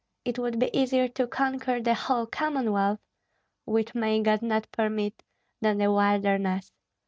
It would be easier to conquer the whole Commonwealth which may God not permit! than the wilderness.